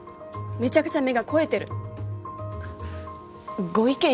めちゃくちゃ目が肥えてるご意見